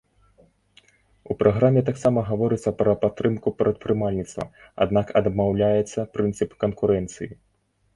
У праграме таксама гаворыцца пра падтрымку прадпрымальніцтва, аднак адмаўляецца прынцып канкурэнцыі.